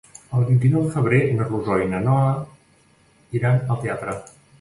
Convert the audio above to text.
El vint-i-nou de febrer na Rosó i na Noa iran al teatre.